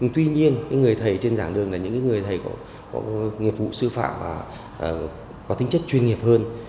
tuy nhiên người thầy trên giảng đường là những người thầy có nghiệp vụ sư phạm có tính chất chuyên nghiệp hơn